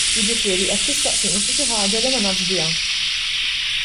Jiġifieri qed tistaqsini fuq xi ħaġa li ma nafx biha.